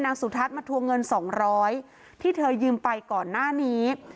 นางสุทัศน์มาทัวร์เงินสองร้อยที่เธอยืมไปก่อนหน้านี้